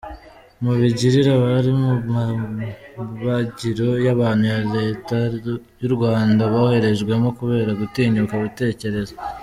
Mubigirire abari mu mabagiro y’abantu ya Leta y’Urwanda boherejwemo kubera gutinyuka gutekereza.